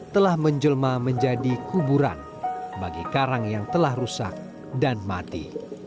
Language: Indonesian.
telah menjelma menjadi kuburan bagi karang yang telah rusak dan mati